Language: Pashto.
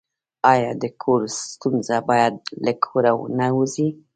آیا د کور ستونزه باید له کوره ونه وځي؟